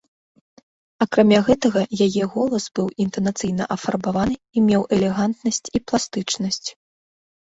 Акрамя гэтага яе голас быў інтанацыйна афарбаваны і меў элегантнасць і пластычнасць.